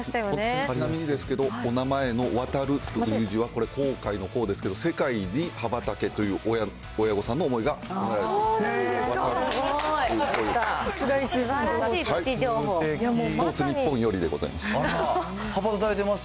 ちなみにですけど、お名前の航という字は、これ、航海の航ですけど、世界に羽ばたけという親御さんの思いがわたると、こういう。